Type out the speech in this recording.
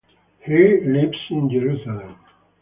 He lives in Jerusalem.